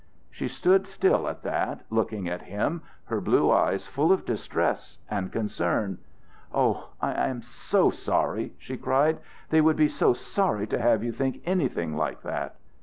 She stood still at that, looking at him, her blue eyes full of distress and concern. "Oh, I am so sorry," she cried. "They would be so sorry to have you think anything like that."